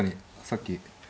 さっき。